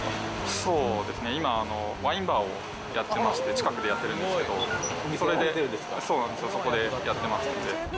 そうですね、今、ワインバーをやってまして、近くでやってるんですけど、そこでやってますので。